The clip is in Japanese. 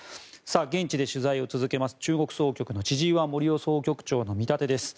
現地で取材を続けます中国総局の千々岩森生総局長の見立てです。